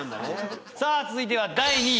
さあ続いては第２位。